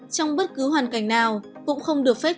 trong bất cứ hoàn cảnh nào cũng không được phát triển